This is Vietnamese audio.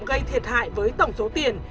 gây thiệt hại với tổng số tiền